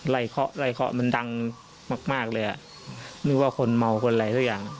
เคาะไล่เคาะมันดังมากมากเลยอ่ะนึกว่าคนเมาคนอะไรสักอย่าง